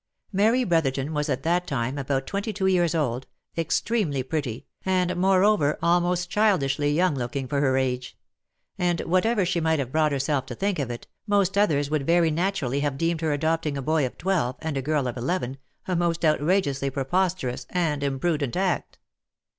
Mary Brotherton was at that time about twenty two years old, ex tremely pretty, and moreover almost childishly young looking for her age ;andwhatever she mighthavebroughtherselfto think of it, most others would very naturally have deemed her adopting a boy of twelve, and a girl of eleven, a most outrageously preposterous and imprudent act.